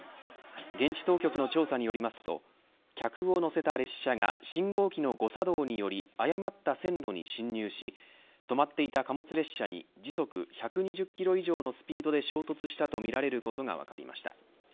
現地当局の調査によりますと客を乗せた列車が信号機の誤作動により誤った線路に侵入し止まっていた貨物列車に時速１２０キロ以上のスピードで衝突したとみられることが分かりました。